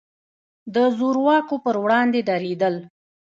د زور واکو پر وړاندې درېدل.